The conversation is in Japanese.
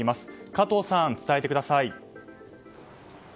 加藤さん、伝えてください。